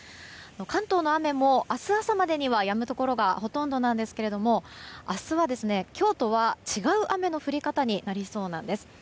関東の雨も、明日朝までにはやむところがほとんどですが明日は今日とは違う雨の降り方になりそうなんです。